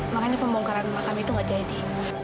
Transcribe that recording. makanya pembongkaran makam itu gak jadi